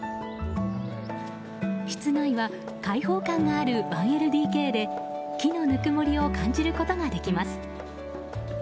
室内は開放感がある１ＬＤＫで木のぬくもりを感じることができます。